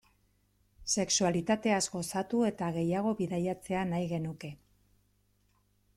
Sexualitateaz gozatu eta gehiago bidaiatzea nahi genuke.